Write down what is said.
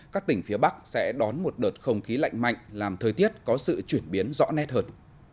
các tỉnh phía bắc sẽ đón một đợt không khí lạnh mạnh làm thời tiết có sự chuyển biến rõ nét hơn